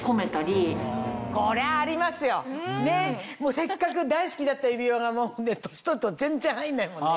せっかく大好きだった指輪が年取ると全然入んないもんね。